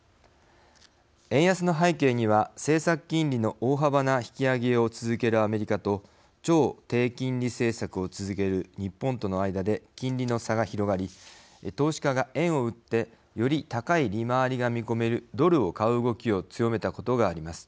円安の背景には政策金利の大幅な引き上げを続けるアメリカと超低金利政策を続ける日本との間で金利の差が広がり投資家が円を売ってより高い利回りが見込めるドルを買う動きを強めたことがあります。